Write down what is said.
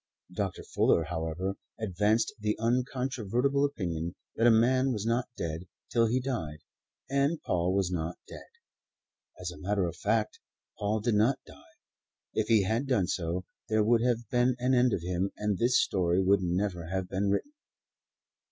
Dr. Fuller, however, advanced the uncontrovertible opinion that a man was not dead till he died; and Paul was not dead yet. As a matter of fact, Paul did not die. If he had done so, there would have been an end of him and this history would never have been written.